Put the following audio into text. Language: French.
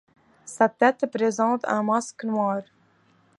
Sa tête présente un masque noir.